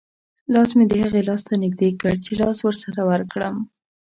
لاس مې د هغې لاس ته نږدې کړ چې لاس ورسره ورکړم.